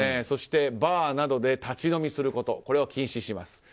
そしてバーなどで立ち飲みすることこれを禁止します。